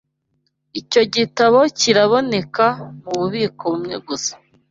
Icyo gitabo kiraboneka mububiko bumwe gusa.